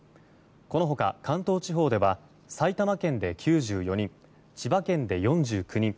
この他、関東地方では埼玉県で９４人千葉県で４９人